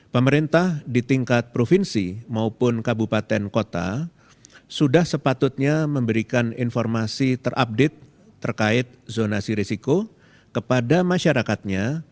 pemerintah di tingkat provinsi maupun kabupaten kota sudah sepatutnya memberikan informasi terupdate terkait zonasi risiko kepada masyarakatnya